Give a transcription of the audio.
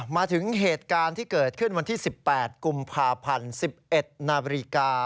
มาถึงเหตุการณ์ที่เกิดขึ้นวันที่๑๘กุมภาพันธ์๑๑นาฬิกา